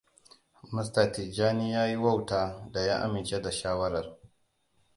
Mr. Tijjani ya yi wauta da ya amince da shawarar.